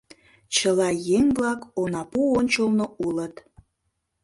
Чыла еҥ-влак онапу ончылно улыт.